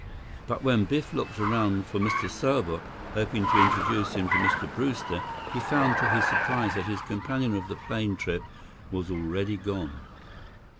But when Biff looked around for Mr. Serbot, hoping to introduce him to Mr. Brewster, he found to his surprise that his companion of the plane trip had already gone.